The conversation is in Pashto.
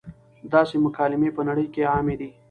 داسې مکالمې پۀ نړۍ کښې عامې دي -